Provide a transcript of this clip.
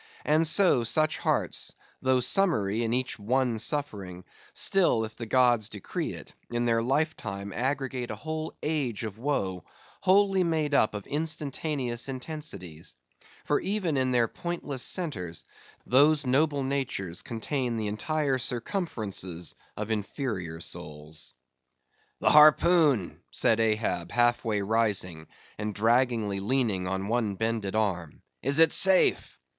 And so, such hearts, though summary in each one suffering; still, if the gods decree it, in their life time aggregate a whole age of woe, wholly made up of instantaneous intensities; for even in their pointless centres, those noble natures contain the entire circumferences of inferior souls. "The harpoon," said Ahab, half way rising, and draggingly leaning on one bended arm—"is it safe?"